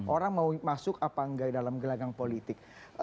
orang mau masuk apa enggak dalam gelagang politik